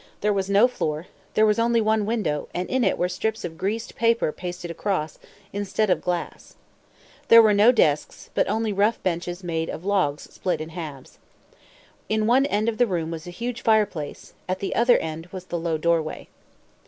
There was no floor. There was only one window, and in it were strips of greased paper pasted across, instead of glass. There were no desks, but only rough benches made of logs split in halves. In one end of the room was a huge fireplace; at the other end was the low doorway.